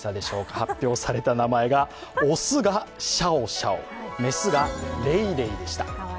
発表された名前は雄がシャオシャオ、雌がレイレイでした。